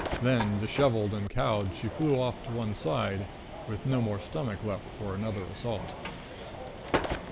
Then, dishevelled and cowed, she flew off to one side, with no more stomach left for another assault.